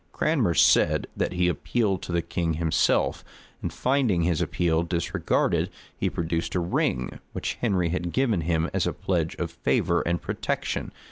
Cranmer said, that he appealed to the king himself; and finding his appeal disregarded, he produced a ring, which Henry had given him as a pledge of favor and protection.